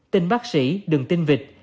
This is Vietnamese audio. tin bác sĩ đừng tin vịt